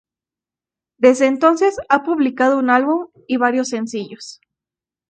Desde entonces, ha publicado un álbum y varios sencillos.